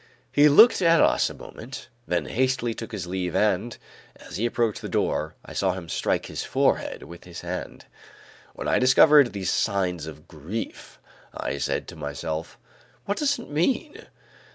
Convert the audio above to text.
He looked at us a moment, then hastily took his leave and, as he approached the door, I saw him strike his forehead with his hand. When I discovered these signs of grief, I said to myself: "What does it mean?"